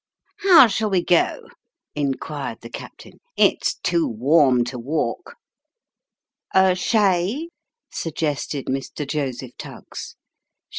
"How shall we go?" inquired the captain; "it's too warm to walk." " A shay ?" suggested Mr. Joseph Tuggs.